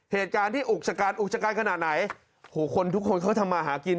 เหตุการณ์ที่อุกชะกันอุกชะกันขนาดไหนโหคนทุกคนเขาทำมาหากิน